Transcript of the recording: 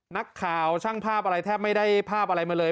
นักข่าวช่างภาพอะไรแทบไม่ได้ภาพอะไรมาเลย